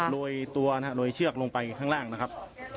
โรยตัวนะครับโรยเชือกลงไปข้างล่างนะครับ